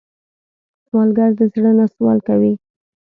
سوالګر د زړه نه سوال کوي